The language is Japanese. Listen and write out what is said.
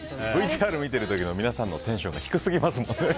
ＶＴＲを見てる時の皆さんのテンションが低すぎますもんね。